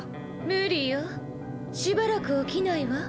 無理よしばらく起きないわ。